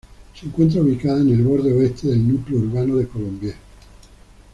Se encuentra ubicada en el borde oeste del núcleo urbano de Colombier.